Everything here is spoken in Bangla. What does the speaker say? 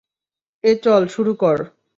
এ চল, শুরু কর।